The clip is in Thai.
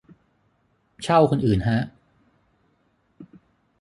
เช่าคนอื่นฮะ